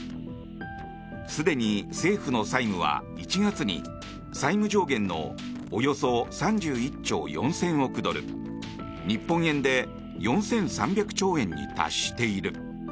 すでに政府の債務は１月に債務上限のおよそ３１兆４０００億ドル日本円で４３００兆円に達している。